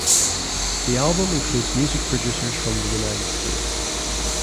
The album includes music producers from the United States.